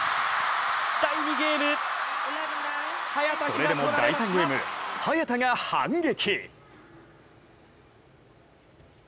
それでも第３ゲーム早田が反撃。